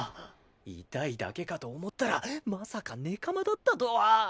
イタいだけかと思ったらまさかネカマだったとは。